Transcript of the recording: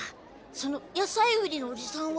その野菜売りのおじさんは？